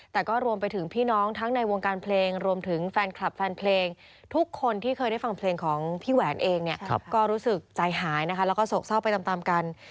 แต่ก็รวมไปถึงพี่น้องทั้งในวงการเพลงรวมถึงแฟนคลับแฟนเพลงทุกคนที่เคยได้ฟังเพลงของพี่แหวนเองเนี่ยก็รู้สึกใจหายนะคะแล้วก็โศกเศร้าไปตามกัน